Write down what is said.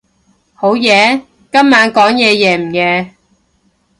好夜？今晚講嘢夜唔夜？